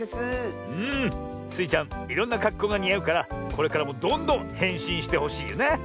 いろんなかっこうがにあうからこれからもどんどんへんしんしてほしいよな。